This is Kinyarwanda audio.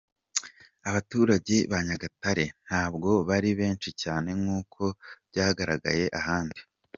Abaturage ba Nyagatare ntabwo bari benshi cyane nk’uko byagaragaye ahandi.